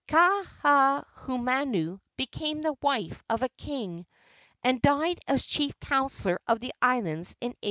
Kaahumanu became the wife of a king, and died as chief counsellor of the islands in 1832.